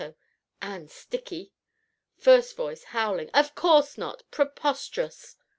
And sticky! FIRST VOICE (howling). Of course not! preposterous!